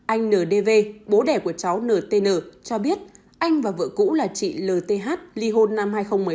anh ndv bố đẻ của cháu ntn cho biết anh và vợ cũ là chị lth ly hôn năm hai nghìn một mươi năm